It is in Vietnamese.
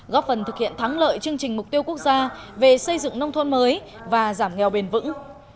góp phần thực hiện thắng lợi chương trình mục tiêu quốc gia về xây dựng nông thôn mới và giảm nghèo bền vững